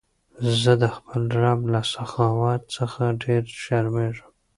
زه د خپل رب له سخاوت څخه ډېر شرمېږم.